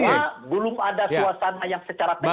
kemudian menyebutkan bahwa